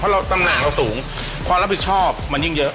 เพราะตำแหน่งเราสูงความรับผิดชอบมันยิ่งเยอะ